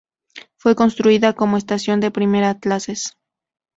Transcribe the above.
Fue Construida como estación de primera clases.